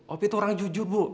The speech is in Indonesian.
opi itu orang jujur bu